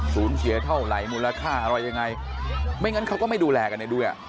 เสียเท่าไหร่มูลค่าอะไรยังไงไม่งั้นเขาก็ไม่ดูแลกันได้ด้วย